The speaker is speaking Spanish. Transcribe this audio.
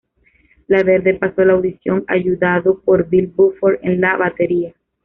Laverde pasó la audición, ayudado por Bill Bruford en la batería.